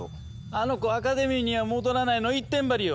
あの子「アカデミーには戻らない」の一点張りよ！